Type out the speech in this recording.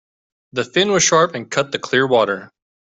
The fin was sharp and cut the clear water.